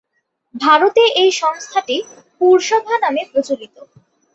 ভারতে এ সংস্থাটি "পুরসভা" নামে প্রচলিত।